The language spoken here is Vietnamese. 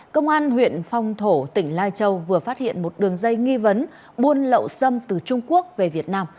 công an huyện phong thổ tỉnh lai châu vừa phát hiện một đường dây nghi vấn buôn lậu xâm từ trung quốc về việt nam